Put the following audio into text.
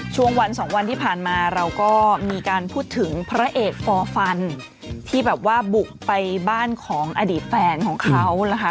ช่วงวันสองวันที่ผ่านมาเราก็มีการพูดถึงพระเอกฟอร์ฟันที่แบบว่าบุกไปบ้านของอดีตแฟนของเขานะคะ